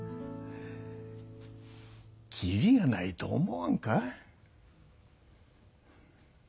切りがないと思わんか？